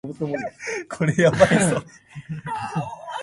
雪や風の強まる所